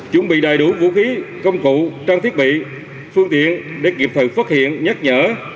chuẩn bị đầy đủ vũ khí công cụ trang thiết bị phương tiện để kịp thời phát hiện nhắc nhở